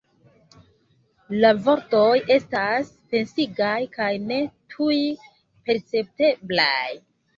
La vortoj estas pensigaj kaj ne tuj percepteblaj.